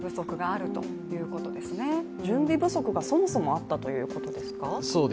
準備不足がそもそもあったということですか？